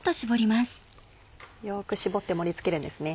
よく絞って盛り付けるんですね。